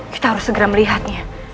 kita harus segera melihatnya